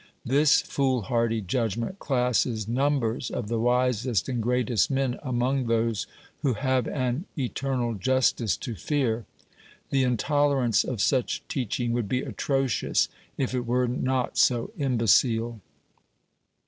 This foolhardy judgment classes numbers of the wisest and greatest men among those who have an eternal justice to fear. The intolerance of such teaching would be atrocious if it were not so imbecile.